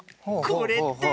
これって。